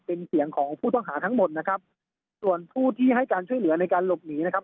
เป็นเสียงของผู้ต้องหาทั้งหมดนะครับส่วนผู้ที่ให้การช่วยเหลือในการหลบหนีนะครับ